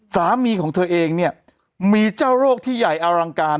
สามีของเธอเองเนี่ยมีเจ้าโรคที่ใหญ่อลังการ